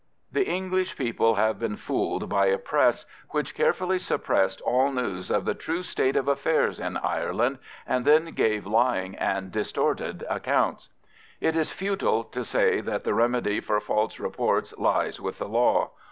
The English people have been fooled by a press which carefully suppressed all news of the true state of affairs in Ireland, and then gave lying and distorted accounts. It is futile to say that the remedy for false reports lies with the law.